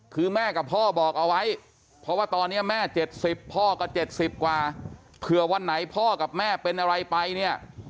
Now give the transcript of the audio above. คือแม่กับพ่อบอกเอาไว้เพราะว่าตอนนี้แม่๗๐พ่อก็๗๐กว่าเผื่อวันไหนพ่อกับแม่เป็นอะไรไปเนี่ย